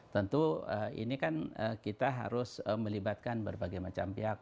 tentu ini kan kita harus melibatkan berbagai macam pihak